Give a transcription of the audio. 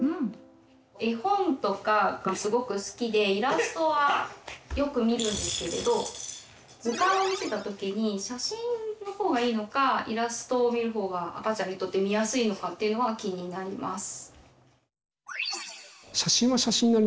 絵本とかがすごく好きでイラストはよく見るんですけれど図鑑を見せた時に写真の方がいいのかイラストを見る方が赤ちゃんにとって見やすいのかっていうのが気になります。